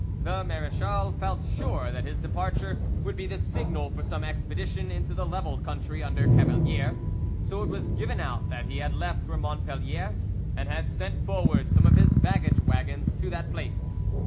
The marechal felt sure that his departure would be the signal for some expedition into the level country under Cavalier, so it was given out that he had left for Montpellier, and had sent forward some of his baggage waggons to that place.